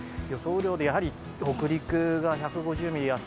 雨量でやはり北陸で１５０ミリ明日